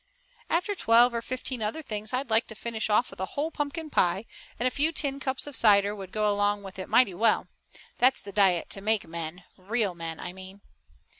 "After twelve or fifteen other things, I'd like to finish off with a whole pumpkin pie, and a few tin cups of cider would go along with it mighty well. That's the diet to make men, real men, I mean."